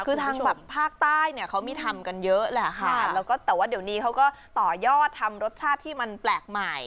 คือทางแบบภาคใต้เนี่ยเขามีทำกันเยอะแหละค่ะแล้วก็แต่ว่าเดี๋ยวนี้เขาก็ต่อยอดทำรสชาติที่มันแปลกใหม่